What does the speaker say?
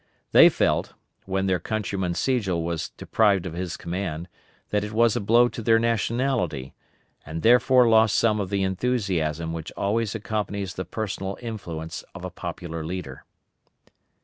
They felt, when their countryman Sigel was deprived of his command, that it was a blow to their nationality, and therefore lost some of the enthusiasm which always accompanies the personal influence of a popular leader.